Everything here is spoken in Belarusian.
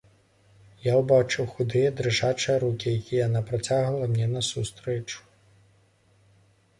Я ўбачыў худыя дрыжачыя рукі, якія яна працягвала мне насустрэчу.